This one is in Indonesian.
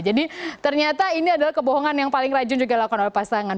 jadi ternyata ini adalah kebohongan yang paling rajin juga lakukan oleh pasangan